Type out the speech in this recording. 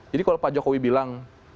jadi kalau pak jokowi bilang